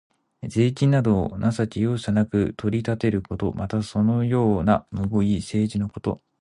税金などを情け容赦なく取り立てること。また、そのようなむごい政治のこと。